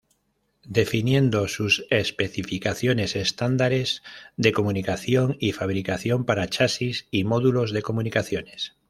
Definiendo sus especificaciones estándares de comunicación y fabricación para chasis y módulos de comunicaciones.